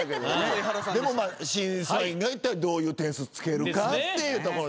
でも審査員がいったいどういう点数つけるかっていうところ。